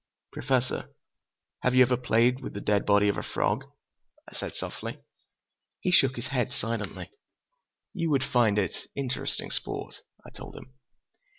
"Professor, have you ever played with the dead body of a frog?" I said softly. He shook his head silently. "You would find it interesting sport," I told him.